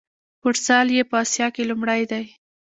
فوټسال یې په اسیا کې لومړی دی.